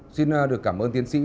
xin được cảm ơn tiến sĩ